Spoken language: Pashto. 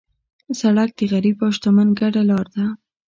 سړک د غریب او شتمن ګډه لار ده.